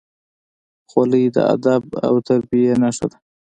خولۍ د ادب او تربیې نښه ده.